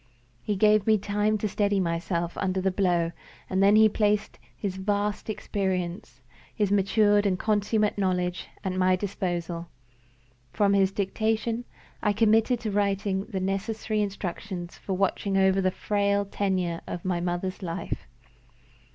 He gave me time to steady myself under the blow; and then he placed his vast experience, his matured and consummate knowledge, at my disposal. From his dictation, I committed to writing the necessary instructions for watching over the frail tenure of my mother's life.